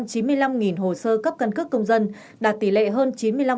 hai mươi năm hồ sơ cấp căn cước công dân đạt tỷ lệ hơn chín mươi năm